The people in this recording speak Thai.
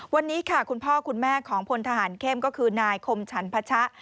วันนี้ค่ะคุณพ่อคุณแม่ของพลทหารเข้มก็คือนายคมฉันพชะ